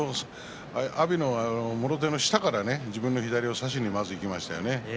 阿炎のもろ手の下から自分の下手を差しにいきましたね。